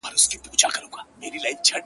پر مزار د شالمار دي انارګل درته لیکمه -